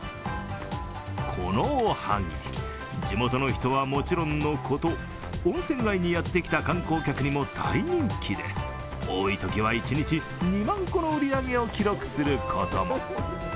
このおはぎ、地元の人はもちろんのこと、温泉街にやってきた観光客にも大人気で、多いときは一日２万個の売り上げを記録する事も。